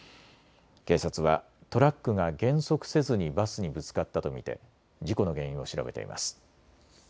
警察はトラックが減速せずにバスにぶつかったと見て事故の原因を調べています。